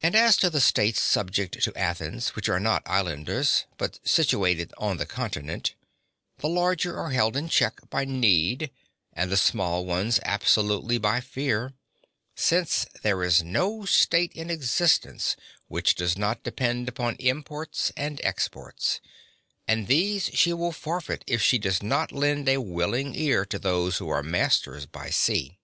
And as to the states subject to Athens which are not islanders, but situated on the continent, the larger are held in check by need (3) and the small ones absolutely by fear, since there is no state in existence which does not depend upon imports and exports, and these she will forfeit if she does not lend a willing ear to those who are masters by sea.